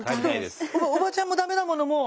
おばちゃんもダメだものもう。